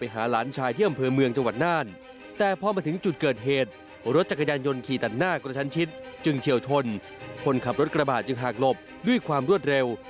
หลบด้วยความรวดเร็ว